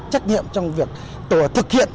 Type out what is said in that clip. trách nhiệm trong việc thực hiện